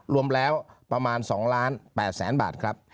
รวมแล้วประมาณ๒ล้าน๘แสนบาทครับ